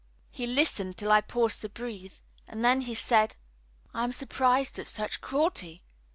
He listened till I paused to breathe, and then he said, "I am surprised at such cruelty.